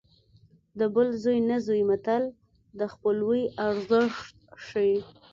د بل زوی نه زوی متل د خپلوۍ ارزښت ښيي